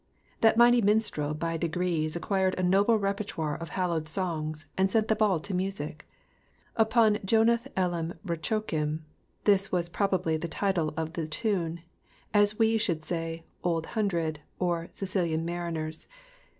That mighiy minaird by degrees acquired a ndbfe repertoire of hallowed songs, and set them all to music. Upon Jonath elemrechokim — this was probably the iiile of the tune, as we should say Old Hundred, or iHcilian Mariners.